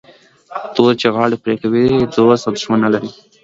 توري چي غاړي پرې کوي دوست او دښمن نه لري